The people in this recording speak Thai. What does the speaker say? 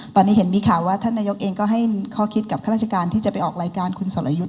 ตอนนี้เห็นมีข่าวว่าท่านนายกเองก็ให้ข้อคิดกับข้าราชการที่จะไปออกรายการคุณสรยุทธ์